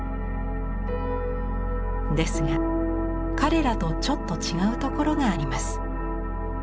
ですが彼らとちょっと違うところがあります。